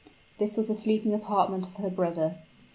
This was the sleeping apartment of her brother.